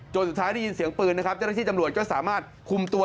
สุดท้ายได้ยินเสียงปืนนะครับเจ้าหน้าที่ตำรวจก็สามารถคุมตัว